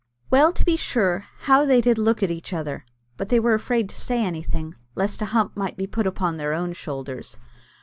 Well to be sure, how they did look at each other! but they were afraid to say anything, lest a hump might be put upon their own shoulders.